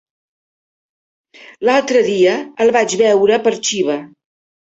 L'altre dia el vaig veure per Xiva.